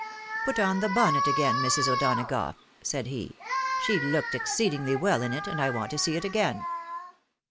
" Put on the bonnet again, Mrs. O'Donagough," said he ;" she looked exceedingly well in it, and I want to see it again."